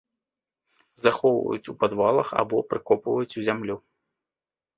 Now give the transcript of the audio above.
Захоўваюць у падвалах або прыкопваюць у зямлю.